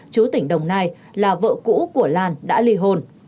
chú tỉnh đồng nai là vợ cũ của lan đã ly hôn